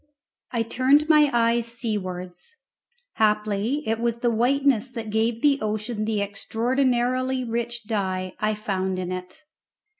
I turned my eyes seawards; haply it was the whiteness that gave the ocean the extraordinarily rich dye I found in it.